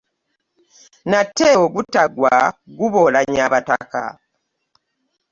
Nate ogutaggwa guolanya abataka .